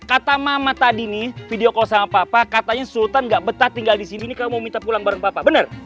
kata mama tadi nih video kalau sama papa katanya sultan gak betah tinggal disini ini kamu minta pulang bareng papa bener